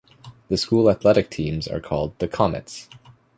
The school athletic teams are called the "Comets".